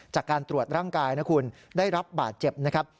จากการตรวจร่างกายนะคุณได้รับบาดเจ็บนะครับ